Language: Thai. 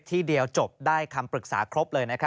ที่เดียวจบได้คำปรึกษาครบเลย